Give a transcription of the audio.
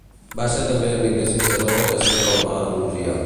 Va ser també amic de Ciceró que sempre el va elogiar.